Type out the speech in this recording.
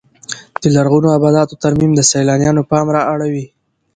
د لرغونو ابداتو ترمیم د سیلانیانو پام را اړوي.